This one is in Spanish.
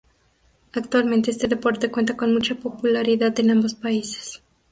Actualmente este deporte cuenta con mucha popularidad en ambos países.